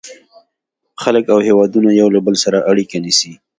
• خلک او هېوادونه یو له بل سره اړیکه نیسي.